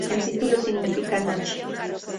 El título significa "Noche".